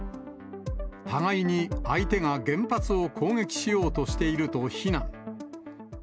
互いに相手が原発を攻撃しようとしていると非難。